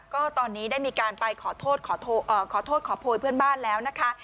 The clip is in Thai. ก็ตอนนี้ได้มีการไปขอโทษขอโทษขอโพยเพื่อนบ้านแล้วนะคะ